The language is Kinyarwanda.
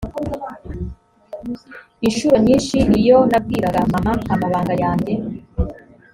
incuro nyinshi iyo nabwiraga mama amabanga yanjye